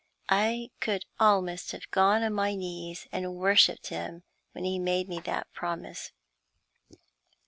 I could almost have gone on my knees and worshiped him when he made me that promise.